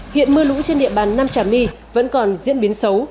hiện mưa lũ trên địa bàn nam trà my vẫn còn diễn biến xấu